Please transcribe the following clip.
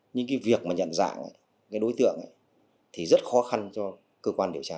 nhưng cái việc mà nhận dạng cái đối tượng ấy thì rất khó khăn cho cơ quan điều tra